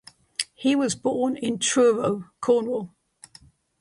He was born in Truro, Cornwall.